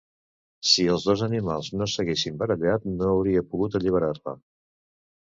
Si els dos animals no s'haguessin barallat, no hauria pogut alliberar-la.